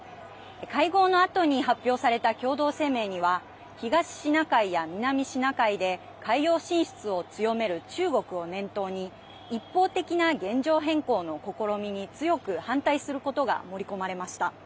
会合のあとに発表された共同声明には東シナ海や南シナ海で海洋進出を強める中国を念頭に一方的な現状変更の試みに強く反対することが盛り込まれました。